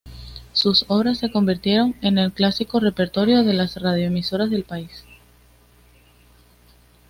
Sus obras se convirtieron en el clásico repertorio de las radioemisoras del país.